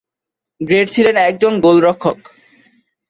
Greg ছিলেন একজন গোলরক্ষক।